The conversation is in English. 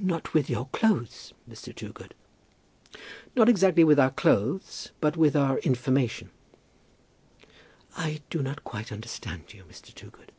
"Not with your clothes, Mr. Toogood?" "Not exactly with our clothes; but with our information." "I do not quite understand you, Mr. Toogood."